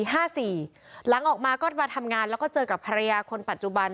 หลังออกมาก็มาทำงานแล้วก็เจอกับภรรยาคนปัจจุบัน